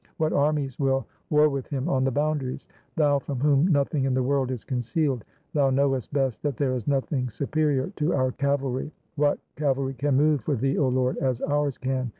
What armies will war with him on the boundaries? Thou, from whom nothing in the world is concealed, — Thou knowest best that there is nothing superior to our cavalry ! What cav alry can move for Thee, O Lord, as ours can?